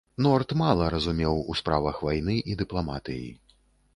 Норт мала разумеў ў справах вайны і дыпламатыі.